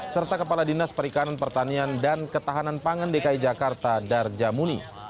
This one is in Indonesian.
serta kepala dinas perikanan pertanian dan ketahanan pangan dki jakarta darjamuni